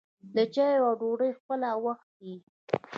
د چايو او ډوډۍ خپله وخت يي.